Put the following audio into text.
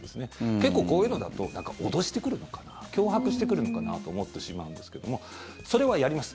結構、こういうのだと脅してくるのかな脅迫してくるのかなと思ってしまうんですけどもそれはやります。